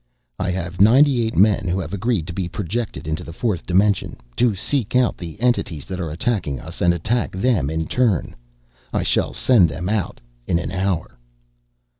"I have ninety eight men who have agreed to be projected into the fourth dimension to seek out the entities that are attacking us and attack them in turn. I shall send them out in an hour."